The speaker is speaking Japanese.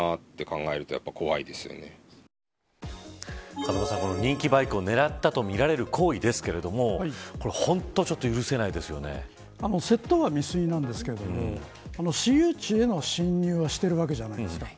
風間さん、人気バイクを狙ったとみられる行為ですけれども窃盗は未遂なんですけれども私有地への侵入はしてるわけじゃないですか。